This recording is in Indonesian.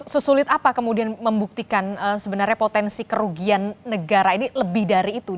sesulit apa kemudian membuktikan sebenarnya potensi kerugian negara ini lebih dari itu